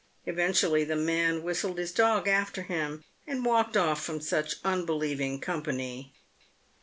Eventually the man whistled his dog after him, and walked off from such unbelieving company.